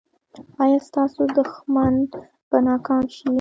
ایا ستاسو دښمن به ناکام شي؟